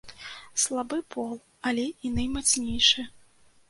Слабы пол, але і наймацнейшы.